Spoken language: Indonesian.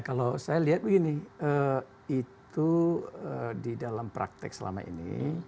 kalau saya lihat begini itu di dalam praktek selama ini